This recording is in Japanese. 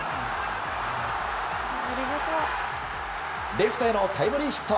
レフトへのタイムリーヒット。